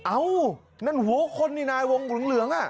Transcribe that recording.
เอ้านั่นหัวคนนี่นายวงเหลืองอ่ะ